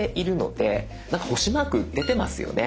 なんか星マーク出てますよね？